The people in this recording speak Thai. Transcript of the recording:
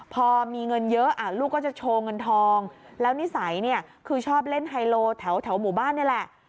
พอมีเงินเยอะลูกก็จะโชว์เงินทองแล้วนิสัยเนี่ยคือชอบเล่นไฮโลแถวหมู่บ้านนี่แหละ